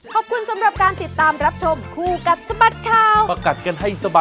ฮึบฮึบฮึบฮึบฮึบครับครับ